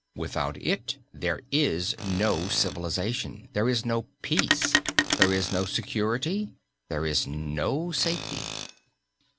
Without it there is no civilization, there is no peace, there is no security, there is no safety.